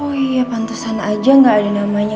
oh ya pantasan aja gak ada namanya